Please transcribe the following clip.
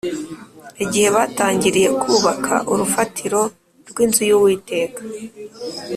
Igihe batangiriye kubaka urufatiro rw’inzu y’Uwiteka